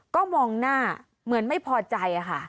ก็มองหน้าเหมือนไม่พอใจค่ะ